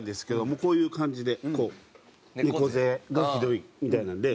もうこういう感じでこう猫背がひどいみたいなんで。